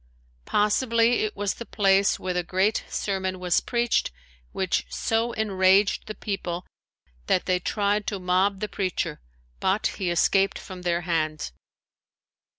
Possibly it was the place where the great sermon was preached which so enraged the people that they tried to mob the preacher, but he escaped from their hands.